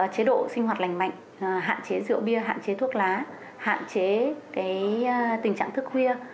chế độ sinh hoạt lành mạnh hạn chế rượu bia hạn chế thuốc lá hạn chế tình trạng thức khuya